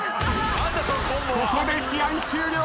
ここで試合終了。